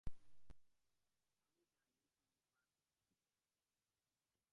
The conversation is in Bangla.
আমি জানি তুমি পারবে।